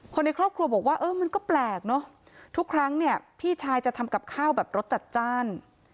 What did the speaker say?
ในครอบครัวบอกว่าเออมันก็แปลกเนอะทุกครั้งเนี่ยพี่ชายจะทำกับข้าวแบบรสจัดจ้าน